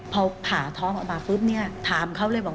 พอผ่าท้องออกมาปุ๊บเนี่ยถามเขาเลยบอก